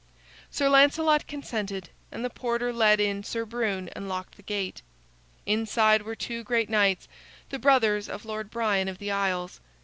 Sir Lancelot consented, and the porter led in Sir Brune and locked the gate. Inside were two great knights, the brothers of Lord Brian of the Isles.